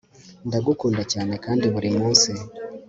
ndagukunda cyane kandi burimunsi